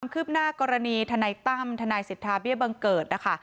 คืบหน้ากรณีทนายตั้มทนายสิทธาเบี้ยบังเกิดนะคะ